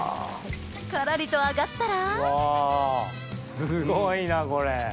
カラリと揚がったらすごいなこれ。